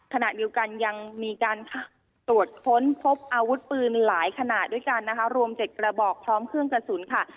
ขณะเดียวกันยังมีการตรวจค้นพบอาวุธปืนหลายขณะด้วยกันนะคะรวม๗กระบอกพร้อมเครื่องกระสุนค่ะ